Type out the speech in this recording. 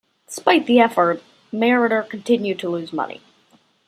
Despite the effort, Meritor continued to lose money.